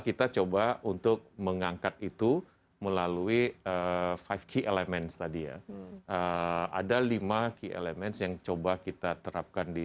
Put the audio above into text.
kita coba untuk mengangkat itu melalui lima key elemens tadi ya ada lima key elemens yang coba kita terapkan di